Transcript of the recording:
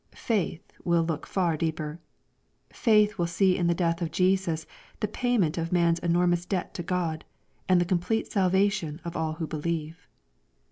Faith will look far deeper. Faith will see in the death of Jesus the payment of man's enormous debt to God, and the complete salvation of all who believe.